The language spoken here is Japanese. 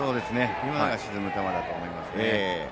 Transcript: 今のが沈む球だと思います。